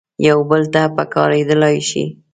یو بل ته پکارېدلای شي.